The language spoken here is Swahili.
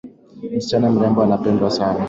Mshichana mrembo anapendwa sana